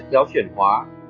chất béo chuyển hóa